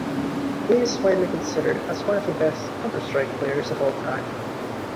He is widely considered as one of the best "Counter-Strike" players of all time.